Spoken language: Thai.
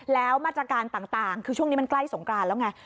แล้วมาตรการต่างคือช่วงนี้มันใกล้สงกรานแล้วไง